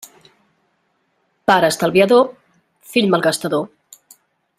Pare estalviador: fill malgastador.